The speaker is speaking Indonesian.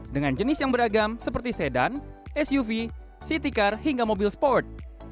dengan jenis yang beragam seperti sedan suv city car hingga mobil sport